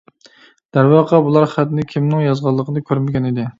دەرۋەقە بۇلار خەتنى كىمنىڭ يازغانلىقىنى كۆرمىگەنىدى.